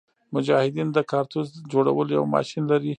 مجاهدین د کارتوس جوړولو یو ماشین لري.